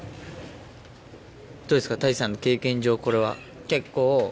どうですか太一さんの経験上これは結構？